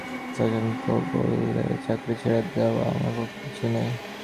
শশাঙ্ক বললে, চাকরি ছেড়ে দেওয়া আমার পক্ষে কিছুই নয়।